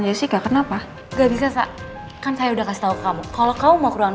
jessica kenapa nggak bisa saya udah kasih tahu kamu kalau kamu mau kerongan